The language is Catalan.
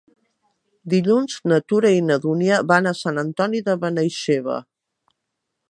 Dilluns na Tura i na Dúnia van a Sant Antoni de Benaixeve.